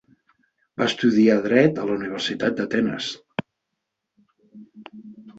Va estudiar dret a la Universitat d'Atenes.